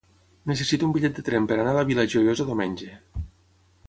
Necessito un bitllet de tren per anar a la Vila Joiosa diumenge.